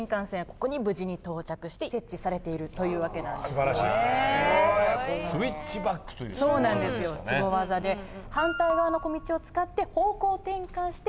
ここに無事に到着して設置されているという訳なんですよね。という技でした。